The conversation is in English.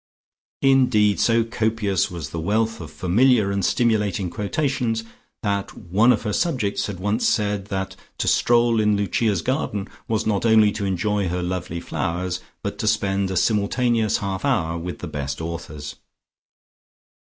Indeed so copious was the wealth of familiar and stimulating quotations that one of her subjects had once said that to stroll in Lucia's garden was not only to enjoy her lovely flowers, but to spend a simultaneous half hour with the best authors.